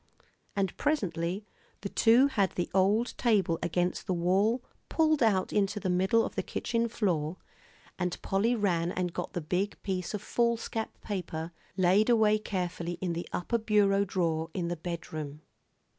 And presently the two had the old table against the wall pulled out into the middle of the kitchen floor, and Polly ran and got the big piece of foolscap paper laid away carefully in the upper bureau drawer in the bedroom.